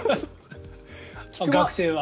学生は。